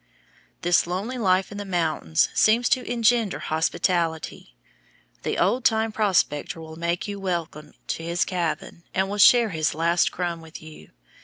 This lonely life in the mountains seems to engender hospitality. The old time prospector will make you welcome to his cabin and will share his last crust with you.